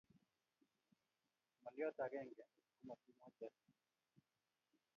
Ngolyot age komatimwochi Asisi